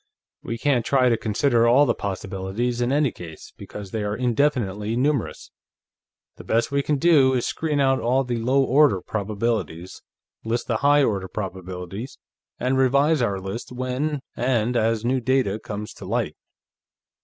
We can't try to consider all the possibilities in any case, because they are indefinitely numerous; the best we can do is screen out all the low order probabilities, list the high order probabilities, and revise our list when and as new data comes to light.